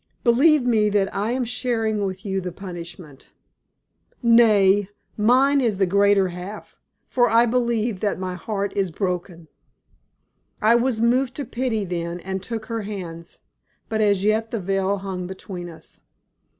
Believe me that I am sharing with you the punishment nay, mine is the greater half, for I believe that my heart is broken." I was moved to pity then and took her hands. But as yet the veil hung between us.